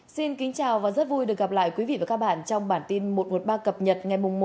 xin kính chào và rất vui được gặp lại quý vị và các bạn trong bản tin một trăm một mươi ba cập nhật ngày một mươi